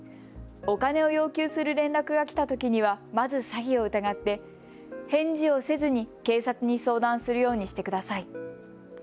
お金を要求する連絡が来たときには、まず詐欺を疑って返事をせずに警察に相談するようにしてください。